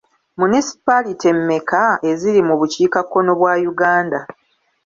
Munisipalite mmeka eziri mu bukiikakkono bwa Uganda?